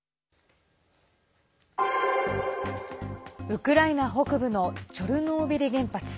ウクライナ北部のチョルノービリ原発。